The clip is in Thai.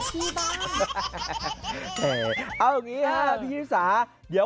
สนุกสนานนั้นแน่นอน